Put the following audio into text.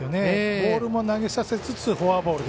ボールも投げさせつつフォアボール。